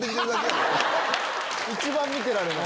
一番見てられない。